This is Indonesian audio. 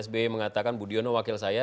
sbi mengatakan budiono wakil saya